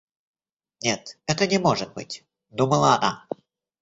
Нет, это не может быть, — думала она.